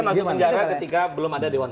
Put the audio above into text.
dia masuk penjara ketika belum ada dewan kerajaan